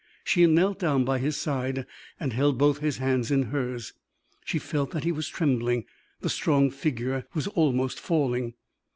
She knelt down by his side, and held both his hands in hers. She felt that he was trembling the strong figure was almost falling.